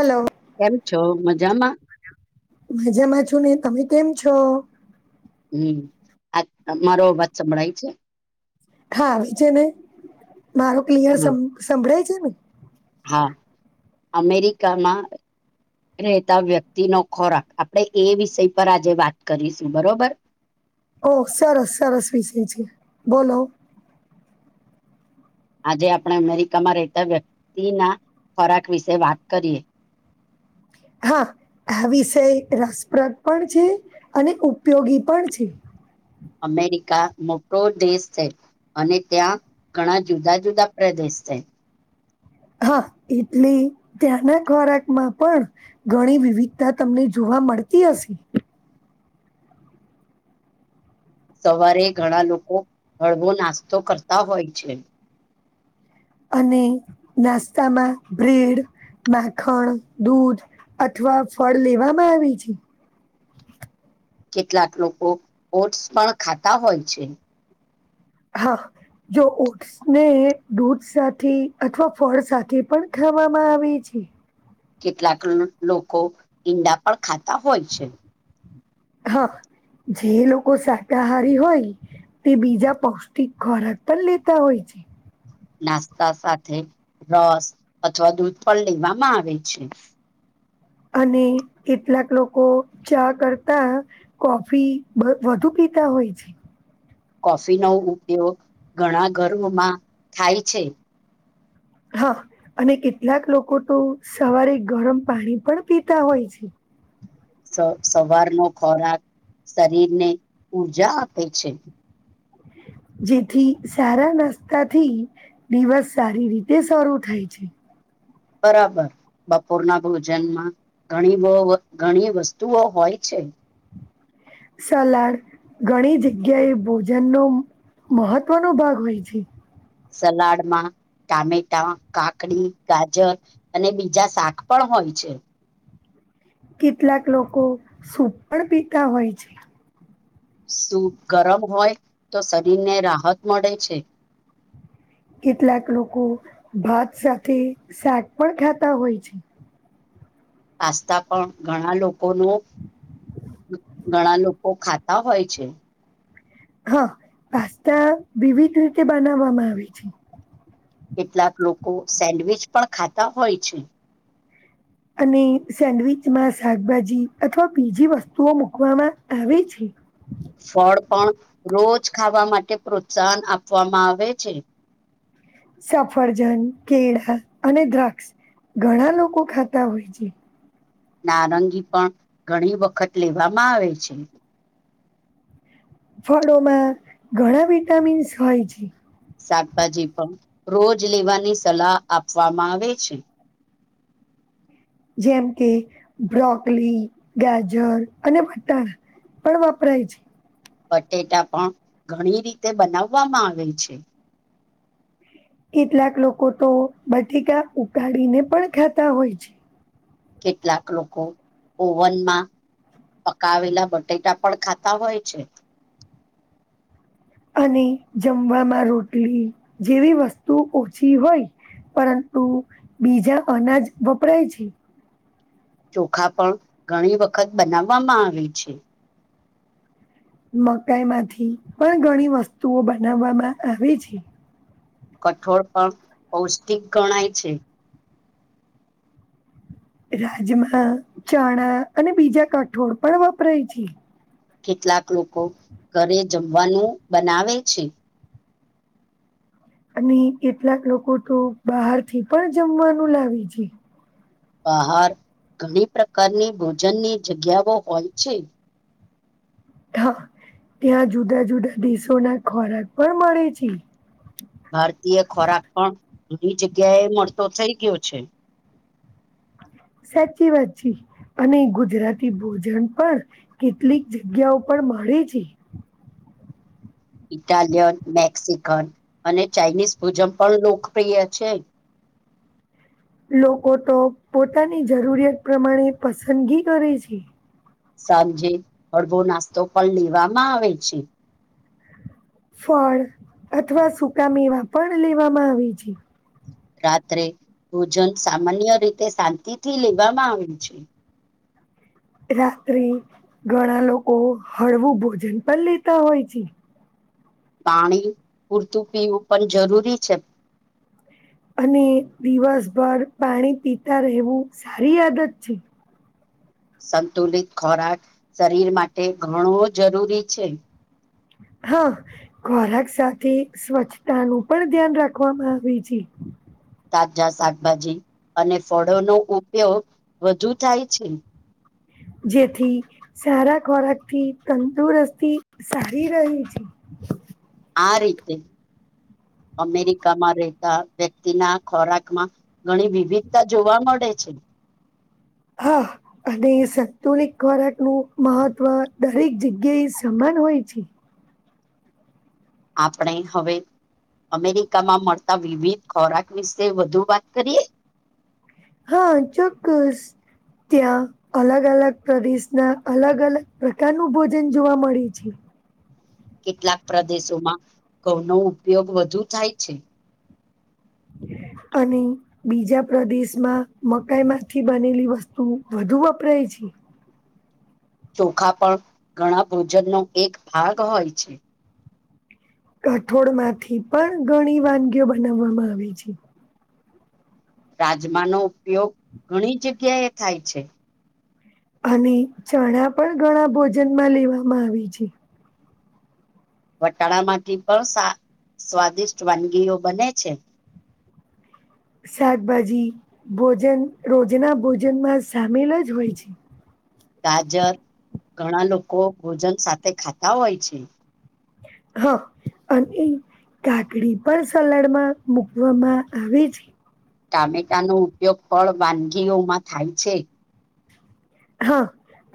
Hello કેમ છો મજામાં? મજામાં છું, ને તમે કેમ છો? હમ્મ આ તમારો અવાજ [unintelligible] સંભળાય છે. ખાાવ છે ને મારો ક્લિયર હા સંભળાય છે ને? હા, અમેરિકામાં રહેતા વ્યક્તિ નો ખોરાક. આપણેે એ વિષય પર આજે વાત કરીશું બરોબર. [inaudible] ઓ સરસ-સરસ વિષય છે. બોલો આજે આપણે અમેરિકામાં રહેતા વ્યક્તિના ખોરાક વિશે વાત કરીએ. હા, આ વિષય રસપ્રદ પણ છે અને ઉપયોગી પણ છે. અમેરિકા મોટો દેશ છે અને ત્યાં ઘણા જુદા જુદા પ્રદેશ ન [unintelligible] હા એટલે ત્યાંના ખોરાકમાં પણ ઘણી વિવિધતા તમને જોવા હા, મળતી હશે. સવારે ઘણા લોકો હળવો નાસ્તો કરતા હોય છે. અને નાસ્તામાં બ્રેડ, માખણ, દૂધ અથવા ફળ લેવામાં આવે છે. કેટલાક લોકો ઓટ્સ પણ ખાતા હોય છે. હા, જો ઓટ્સને દૂધ સાથે અથવા ફળ સાથે પણ વામાં આવે છે. કેટલાક લોકો ઈંડા પણ ખાતા હોય છે. હા, જે લોકો શાકાહારી હોય. તે બીજા પૌષ્ટિક ખોરાક પણ લેતા હોય છે. નાસ્તા સાથે રસ અથવા દૂધ પણ લેવામાં આવે છે. અને કેટલાક લોકો ચા કરતા કોફી વધુ પી [unintelligible] પીતા હોય છે. કોફીનો ઉપયોગ ઘણા ઘરોમાં થાય છે. હા અને કેટલાક લોકો તો સવારે ગરમ પાણી પણ પીતા હોય છે. સવારનો ખોરાક શરીરને ઊર્જા આપે છે. જેથી સારા નાસ્તાથી દિવસ સારી રીતે શરૂ થાય છે. બરાબર બપોરના ભોજનમાં ઘણી બવ ઘણી વસ્તુઓ હોય છે. સલાડ ઘણી જગ્યાએ ભોજન નો મહત્વનો ભાગ હોય છે. સલાડમાં ટામેટા, કાકડી, ગાજર અને બીજા શાક પણ હોય હોય છે. કેટલાક લોકો સુપ પણ પીતા હોય છે. સૂપ ગરમ હોય તો શરીરને રાહત મળે છે કેટલાક લોકો ભાત સાથે શાક પણ ખાતા હોય છે આસ્તાા પણ ઘણા લોકો ન ઘણા લોકો ખાતા હોય છે હા પાસ્તા વિવિધ રીતે બનાવવામાં આવે છે કેટલાક લોકો સેન્ડવીચ પણ ખાતા હોય છે અને સેન્ડવીચમાં શાકભાજી અથવા બીજી વસ્તુઓ મૂકવામાં આવે છે ફળ પણ રોજ ખાવા માટે પ્રોત્સાહન આપવામાં આવે છે સફરજન કેળા અને દ્રાક્ષ ઘણા લોકો ખાતા હોય છે નારંગી પણ ઘણી વખત લેવામાં આવે છે ફળોમાં ઘણા વિટામિન્સ હોય છે. શાકભાજી પણ રોજ લેવાની સલાહ આપવામાં આવે છે. જેમ કે બ્રોકલી, ગાજર અને મટર પણ વાપરાય છે. બટેટા પણ ઘણી રીતે બનાવામાં આવે છે. કેટલાક લોકો તો બટેકા ઉકાડીને પણ ખાતા હોય છે. કેટલાક લોકો ઓવનમાં પકાવેલા બટેકા પણ ખાતા હોય છે. અને જમવામાં રોટલી જેવી વસ્તુ ઓછી હોય પરંતુ બીજા અનાજ વપરાય છે. ચોખા પણ ઘણી વખત બનાવામાં આવે છે. મકાઈમાંથી પણ ઘણી વસ્તુઓ બનાવામાં આવે છે. કઠોળ પણ પૌષ્ટિક ગણાય છે. રાજમા, ચણા અને બીજા કઠોળ પણ વપરાય છે. કેટલાક લોકો ઘરે જમવાનું બનાવે છે. અને કેટલાક લોકો તો બહારથી પણ જમવાનું લાવે છે. બહાર ઘણી પ્રકારની ભોજનની જગ્યાઓ હોય છે. હા, ત્યાં જુદા-જુદા દેશોના ખોરાક પણ મળે છે. ભારતીય ખોરાક પણ ઘણી જગ્યા એ મળતો થઇ ગયો છે. સાચી, વાત છી. અને ગુજરાતી ભોજન પણ કેટલીક જગ્યાઓ પર મળે છે. [inaudible] ઇટાલિયન, મેક્સિકન અને ચાાઈનીઝ ભોજન પણ લોકપ્રિય છે. લોકો તો પોતાની જરૂરિયાત પ્રમાણે પસંદગી કરે છે. સાંજે, હળવો નાસ્તો પણ લેવામાં આવે છે. ફળ અથવા સૂકામેવા પણ લેવામાં આવે છે. રાત્રે ભોજન સામાન્ય રીતે શાંતિથી લેવામાં આવે છે. રાત્રે ઘણા લોકો હળવું ભોજન પણ લેતા હોય છે. પાણી પૂરતું પીવું પણ જરૂરી છે. અને દિવસભર પાણી પીતા રહેવું સારી આદત છે. સંતુલિત ખોરાક શરીર માટે ઘણો જરૂરી છે. હા, ખોરાક સાથે સ્વચ્છતાનું પણ ધ્યાન રાખવામાં આવે છે. તાજા શાકભાજી અને ફળોનો ઉપયોગ વધુ થાય છે. જેથી સારા ખોરાકથી તંદુરસ્તી સારી રહે છે. [inaudible] આ રીતે અમેરિકામાં રહેતા વ્યક્તિના ખોરાકમાં ઘણી વિવિધતા જોવા મળે છે. [inaudible] અહ અને સંતુલિત ખોરાકનું મહત્વ દરેક જગ્યા એ સમાન હોય છે. [inaudible] આપણે હવે અમેરિકામાં મળતા વિવિધ ખોરાક વિશે વધુ વાત કરીએ? હા, ચોક્કસ. ત્યાં અલગ-અલગ પ્રદેશના અલગ-અલગ પ્રકારનું ભોજન જોવા મળે છે. કેટલાક પ્રદેશોમાં ઘઉંનો ઉપયોગ વધુ થાય છે. [inaudible] અને બીજા પ્રદેશમાં મકાઈમાંથી બનેલી વસ્તુ વધુ વપરાય છે. [unintelligible] ચોખા પણ ઘણા ભોજનનો એક ભાગ હોય છે. કઠોળમાંથી પણ ઘણી વાનગીઓ બનાવામાં આવે છે. રાજમાનો ઉપયોગ ઘણી જગ્યા એ થાય છે. અને ચણા પણ ઘણા ભોજનમાં લેવામાં આવે છે. વટાણા માંથી પણ સા સ્વાદિષ્ટ વાનગીઓ બને છે. શાકભાજી ભોજન રોજના ભોજનમાં સામેલ જ હોય છે. ગાજર ઘણા લોકો ભોજન સાથે ખાતા હોય છે. હા અને એ કાકડી પણ સલાડ માં મુકવામાં આવે છે. ટામેટા નો ઉપયોગ ફળ વાનગીઓમાં થાય છે. હા.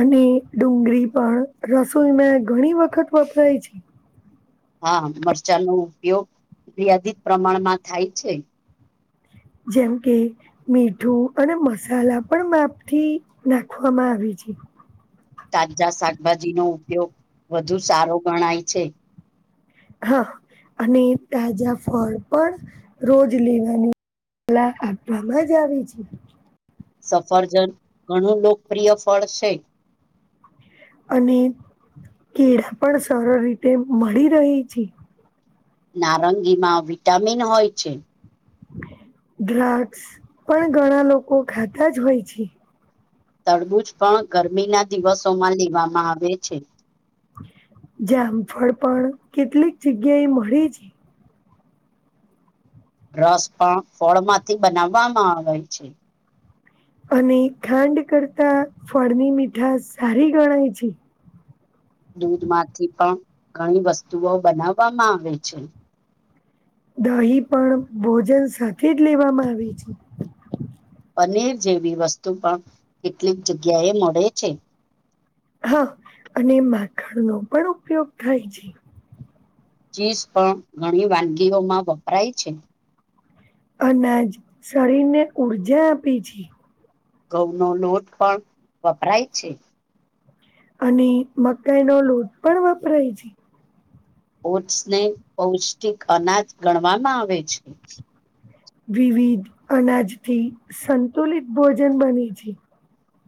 અને ડુંગળી પણ રસોઈમાં ઘણી વખત વપરાય છે. હા મરચાં નો ઉપયોગ મર્યાદિત પ્રમાણમાં થાય છે. જેમ કે મીઠું અને મસાલા પણ માપ થી નાખવામાં આવી છે. છે તાજા શાકભાજીનો ઉપયોગ વધુ સારો ગણાય છે. હા અને તાજા ફળ પણ રોજ લેવાનું કલા આપવામાં જ આવી છે. સફરજન ઘણું લોકપ્રિય ફળ છે. અને કેળા પણ સરળ રીતે મળી રહેહી છે. નારંગીમાં વિટામિન હોય છે. દ્રાક્ષ પણ ઘણા લોકો ખાતા જ હોય છે. તડબૂજ પણ ગરમીના દિવસોમાં લેવામાં આવે છે. જામફળ પણ કેટલીક જગ્યાએ મળે છે. રસ પણ ફળમાંથી બનાવવામાં આવે છે. અને ખાંડ કરતા ફળની મીઠા સારી ગણાય છે. દૂધમાંથી પણ ઘણી વસ્તુઓ બનાવવામાં આવે છે. દહી પણ ભોજન સાથે જ લેવામાં આવે છે. પનીર જેવી વસ્તુ પણ કેટલીક જગ્યાએ મળે છે. હા અને માખણ નો પણ ઉપયોગ થાય છે. ચીઝ પણ ઘણી વાનગીઓમાં વપરાય છે. અનાજ શરીરને ઉર્જા આપે છે ઘઉંનો લોટ પણ વપરાય છે. અને મકાઈ નો લોટ પણ વાપરાય છે. ઓટ્સને પૌષ્ટિક અનાજ ગણવામાં આવે છે. વિવિધ અનાજથી સંતુલિત ભોજન બને છે.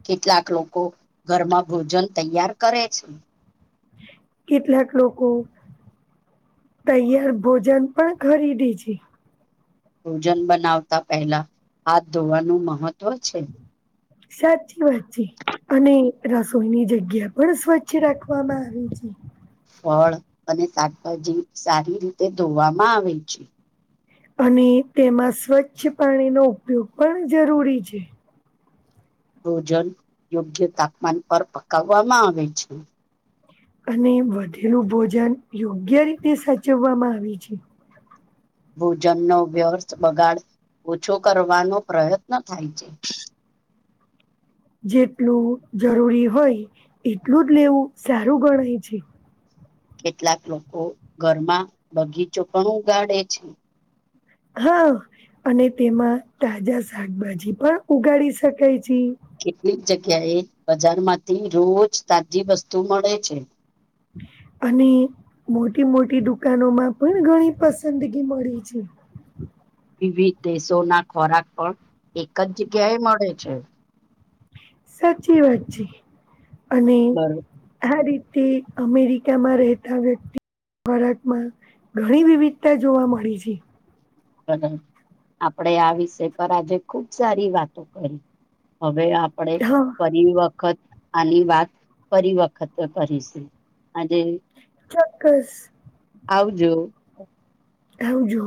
કેટલાક લોકો ઘરમાં ભોજન તૈયાર કરે છે. કેટલાક લોકો તૈયાર ભોજન પણ ખરીદી છે. ભોજન બનાવતા પહેલા હાથ ધોવાનું મહત્વ છે. સાચી વાત છે અને રસોઈની જગ્યા પણ સ્વચ્છ રાખવામાં આવી છે. [inaudible] ફળ અને શાકભાજી સારી રીતે ધોવામાં આવે છે. અને તેમાં સ્વચ્છ પાણીનો ઉપયોગ પણ જરૂરી છે. ભોજન યોગ્ય તાપમાન પર પકાવવામાં આવે છે. અને વધેલું ભોજન યોગ્ય રીતે સાચવવામાં આવે છે. ભોજન નો વ્યર્થ બગાડ ઓછો કરવાનો પ્રયત્ન થાય છે. જેટલું જરૂરી હોય એટલું જ લેવું સારું ગણાય છે. કેટલાક લોકો ઘરમાં બગીચો પણ ઉગાડે છે. હા અને તેમાં તાજા શાકભાજી પણ ઉગાડી શકાય થી કેટલીક જગ્યાએ બજારમાંથી રોજ તાજી વસ્તુ મળે છે. અને મોટી મોટી દુકાનો માં પણ ઘણી પસંદગી મળે છે. વિવિધ દેશોના ખોરાક પણ એક જ જગ્યાએ મળે છે. સાચી વાત છે અને બરોબર આ રીત તે અમેરિકામાં રહેતા વ્યક્તિ ખોરાકમાં ઘણી વિવિધતા જોવા મળી છે. [unintelligible] આપણેે આ વિષય પર આજે ખુબ સારી વાતો કરી. હવે આપણે હા ફરી વક્ વખત આની વાત ફરી વખત કરી છે આજે ચોક્કસ. આવજો. આવજો.